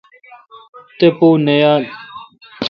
تہ پو نہ یال۔